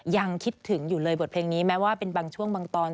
ยังคิดถึงอยู่เลยบทเพลงนี้แม้ว่าเป็นบางช่วงบางตอน